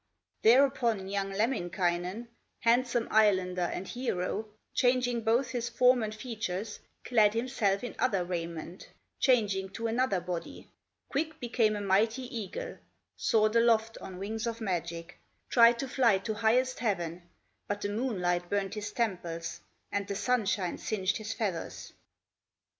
Thereupon young Lemminkainen, Handsome Islander and hero, Changing both his form and features, Clad himself in other raiment, Changing to another body, Quick became a mighty eagle, Soared aloft on wings of magic, Tried to fly to highest heaven, But the moonlight burned his temples, And the sunshine singed his feathers.